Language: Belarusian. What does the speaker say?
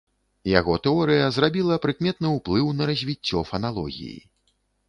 Яго тэорыя зрабіла прыкметны ўплыў на развіццё фаналогіі.